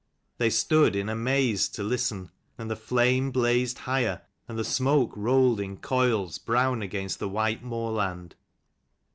They stood in amaze to listen; and the flame blazed higher, and the smoke rolled in coils, brown against the white moorland.